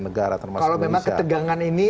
negara termasuk indonesia kalau memang ketegangan ini